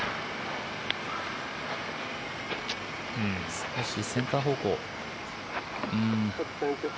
少しセンター方向。